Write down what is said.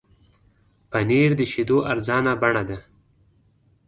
پنېر د شیدو ارزانه بڼه ده.